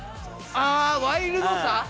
あワイルドさ？